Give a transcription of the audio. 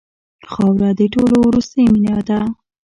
خاوره د ټولو وروستۍ مینه ده.